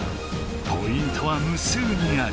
ポイントは無数にある。